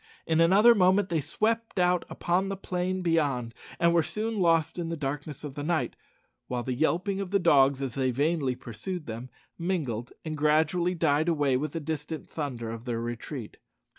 In another moment they swept out upon the plain beyond, and were soon lost in the darkness of the night, while the yelping of dogs, as they vainly pursued them, mingled and gradually died away with the distant thunder of their retreat.